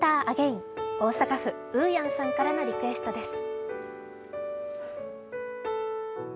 大阪府・うーやんさんからのリクエストです。